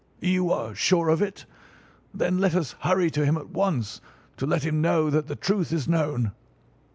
"You are sure of it! Then let us hurry to him at once to let him know that the truth is known."